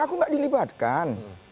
aku nggak dilibatkan